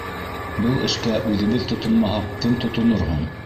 Был эшкә үҙебеҙ тотонмаһаҡ, кем тотонор һуң?!